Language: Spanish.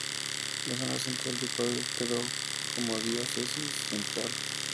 La zona central de Ecuador quedó como Diócesis Central.